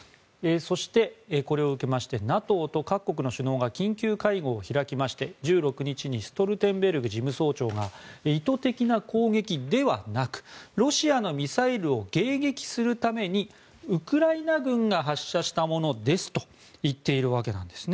そして、これを受けましてＮＡＴＯと各国の首脳が緊急会合を開きまして、１６日にストルテンベルグ事務総長が意図的な攻撃ではなくロシアのミサイルを迎撃するためにウクライナ軍が発射したものですと言っているわけです。